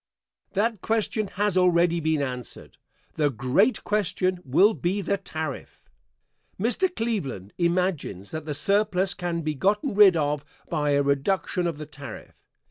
That question has already been answered. The great question will be the tariff. Mr. Cleveland imagines that the surplus can be gotten rid of by a reduction of the tariff.